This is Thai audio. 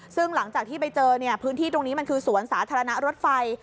ซึ่งหลังจากที่ไปเจอเนี่ยพื้นที่ตรงนี้มันคือสวนสาธารณะรถไฟ